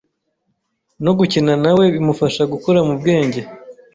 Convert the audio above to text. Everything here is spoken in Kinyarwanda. no gukina nawe bimufasha gukura mu bwenge.